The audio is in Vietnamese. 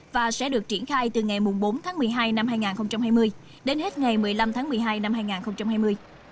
và sẽ được triển khai từ ngày bốn tháng một mươi hai năm hai nghìn hai mươi đến hết ngày một mươi năm tháng một mươi hai năm hai nghìn hai mươi